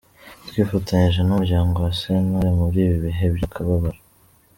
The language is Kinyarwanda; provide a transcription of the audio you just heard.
Twifatanyije n’umuryango wa Sentore muri ibi bihe by’akababaro !!.